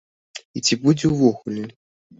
І ці будзе ўвогуле?